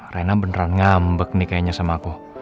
raina beneran ngambek nih kayaknya sama aku